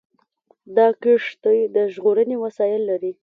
دا کښتۍ د ژغورنې وسایل لري.